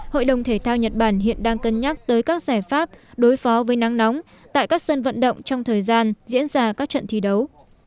hội đồng thể thao nhật bản hiện đang cân nhắc tới các giải pháp đối phó với nắng nóng tại các sân vận động trong thời gian diễn ra các trận thi đấu